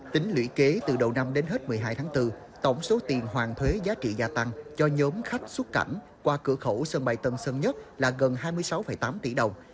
tính lũy kế từ đầu năm đến hết một mươi hai tháng bốn tổng số tiền hoàn thuế giá trị gia tăng cho nhóm khách xuất cảnh qua cửa khẩu sân bay tân sơn nhất là gần hai mươi sáu tám tỷ đồng